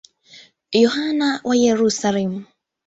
Yohane wa Yerusalemu.